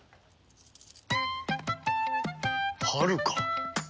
はるか？